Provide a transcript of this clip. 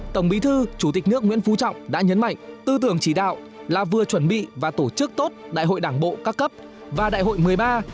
tổng bí thư chủ tịch nước nguyễn phú trọng đã nhấn mạnh tư tưởng chỉ đạo là vừa chuẩn bị và tổ chức tốt đại hội đảng bộ các cấp và đại hội một mươi ba